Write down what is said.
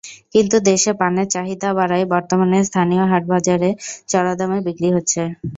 কিন্তু দেশে পানের চাহিদা বাড়ায় বর্তমানে স্থানীয় হাটবাজারে চড়া দামে বিক্রি হচ্ছে।